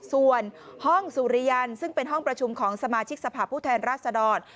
ส่วนห้องสุริยันซึ่งเป็นห้องประชุมของสมาชิกสภาพผู้แทนราชดร